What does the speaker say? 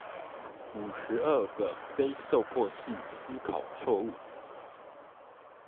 五十二個非受迫性思考錯誤